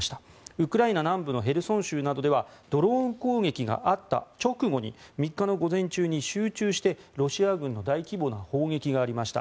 ウクライナ南部のヘルソン州などではドローン攻撃があった直後に３日の午前中に集中してロシア軍の大規模な砲撃がありました。